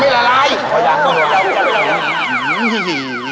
รู้ไหม